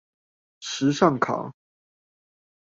時尚考